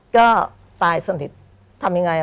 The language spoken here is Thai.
ก็ตายสนิททำยังไง